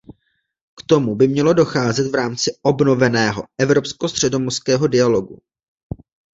K tomu by mělo docházet v rámci obnoveného Evropsko-středomořského dialogu.